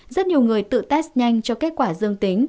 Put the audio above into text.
rất nhiều người tự test nhanh cho kết quả dương tính